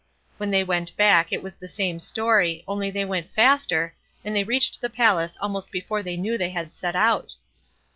When they went back, it was the same story, only they went faster, and they reached the palace almost before they knew they had set out.